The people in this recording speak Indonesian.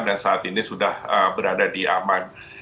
dan saat ini sudah berada di aman